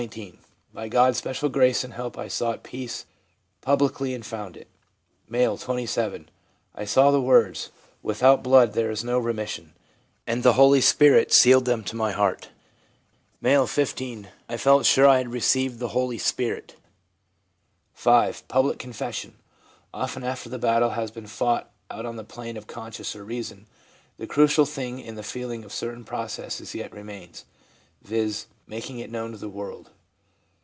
'By God's special grace and help I sought peace publicly and found it/ M., 27. ' I saw the words, " Without blood there is no remission," and the Holy Spirit sealed 92 THE PSYCHOLOGY OF RELIGION them to my heart/ M , 15. ' I felt sure I had received the Holy Spirit/ 5. Public confession. — Often after the battle has been fought out on the plane of conscience or reason, the crucial thing in the feeling of certain persons yet remains, viz., making it known to the world.